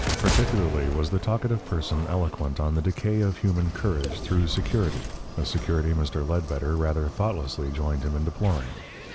Particularly was the talkative person eloquent on the decay of human courage through security, a security Mr. Ledbetter rather thoughtlessly joined him in deploring.